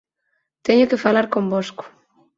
Teño que falar convosco.